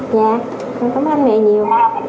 dạ con cảm ơn mẹ nhiều